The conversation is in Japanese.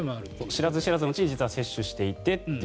知らず知らずのうちに接種をしていてと。